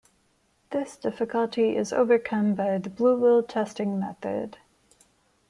This difficulty is overcome by the bluewool testing method.